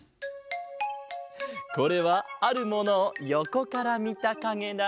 これはあるものをよこからみたかげだ。